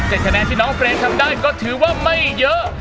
ก็๙๗คะแนนที่น้องเฟรนทำได้บันถึงไม่เยอะ